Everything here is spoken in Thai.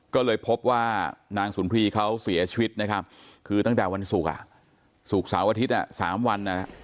ก็เลยพบว่านางสุนทรีย์เขาเสียชีวิตนะครับคือตั้งแต่วันศุกร์ศุกร์เสาร์อาทิตย์๓วัน